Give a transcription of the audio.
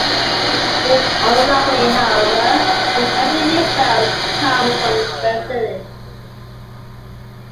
It is unlikely, however, the statue itself comes from Sicily.